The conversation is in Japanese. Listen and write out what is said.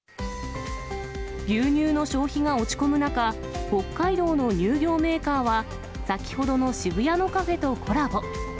牛乳の消費が落ち込む中、北海道の乳業メーカーは、先ほどの渋谷のカフェとコラボ。